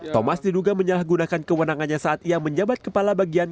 thomas diduga menyalahgunakan kewenangannya saat ia menjabat kepala bagian